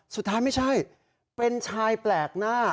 สุดท้ายไม่ใช่เป็นชายแปลกหน้า